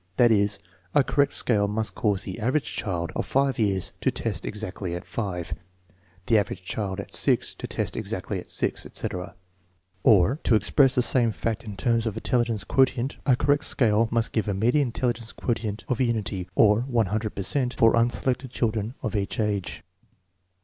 That is, a correct scale must cause the average child of 5 years to test exactly at 5, the average child at 6 to test exactly at 6, etc. Or, to express the same fact in terms of intelligence quotient, 1 a correct scale must give a median intelligence quotient of unity, or 100 per cent, for unselected children of each age.